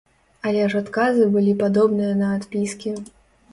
Але ж адказы былі падобныя на адпіскі.